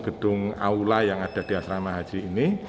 gedung aula yang ada di asrama haji ini